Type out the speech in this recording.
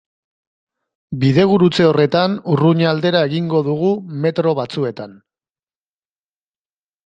Bidegurutze horretan Urruña aldera egingo dugu metro batzuetan.